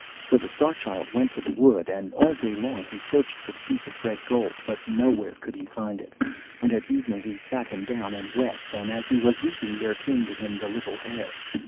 So the Star Child went to the wood, and all day long he searched for the piece of red gold, but nowhere could he find it. And at evening he sat him down and wept, and as he was weeping there came to him the little Hare.